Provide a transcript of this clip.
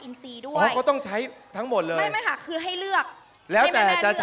มีปลาถูมันนะครับ